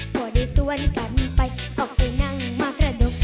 พอได้สวนกันไปออกไปนั่งมากระดก